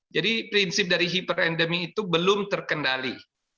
jadi prinsip dari hyperendemik itu belum terkendali